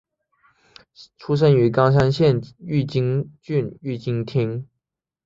出身于冈山县御津郡御津町。